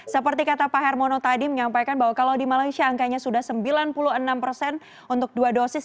seperti kata pak hermono tadi menyampaikan bahwa kalau di malaysia angkanya sudah sembilan puluh enam persen untuk dua dosis